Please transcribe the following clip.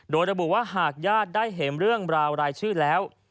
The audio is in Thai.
โดยระบุว่าหากญาติได้เห็นเรื่องราวรายชื่อแล้ว